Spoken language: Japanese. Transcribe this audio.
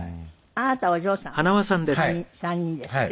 あなたお嬢さん３人ですって？